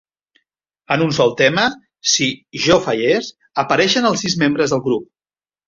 En un sol tema, "Si jo fallés", apareixen els sis membres del grup.